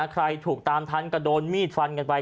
ใครถูกตามทันก็โดนมีดฟันกันไป